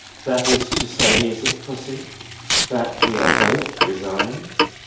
"That is to say, is it, Pussy, that we are both resigned?"